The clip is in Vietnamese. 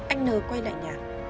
anh nờ quay lại nhà